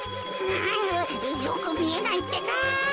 うんよくみえないってか。